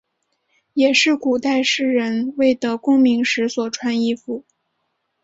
也是古代士人未得功名时所穿衣服。